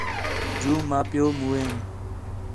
جوں ماں، پِیؤ موئین